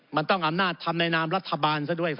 มันต้องอำนาจทำในนามรัฐบาลซะด้วย